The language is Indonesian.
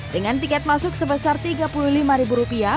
dengan tiket masuk sebesar tiga puluh lima ribu rupiah